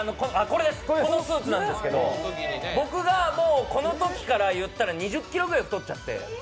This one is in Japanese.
このスーツなんですけど僕がこのときから２０ｋｇくらい太っちゃって。